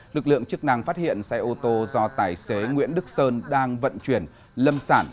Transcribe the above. lực lượng chức năng phát hiện xe ô tô do tài xế nguyễn đức sơn đang vận chuyển lâm sản